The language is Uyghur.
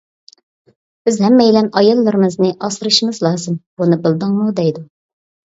بىز ھەممەيلەن ئاياللىرىمىزنى ئاسرىشىمىز لازىم بۇنى بىلدىڭمۇ دەيدۇ.